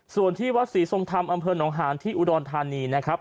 ส่วนที่วัดศรีทรงธรรมอำเภอหนองหานที่อุดรธานีนะครับ